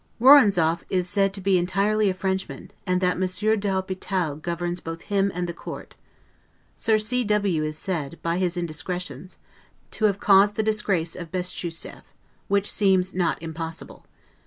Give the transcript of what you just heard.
Woronzoff is said to be entirely a Frenchman, and that Monsieur de l'Hopital governs both him and the court. Sir C. W. is said, by his indiscretions, to have caused the disgrace of Bestuchef, which seems not impossible.